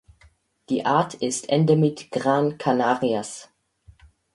Die Art ist Endemit Gran Canarias.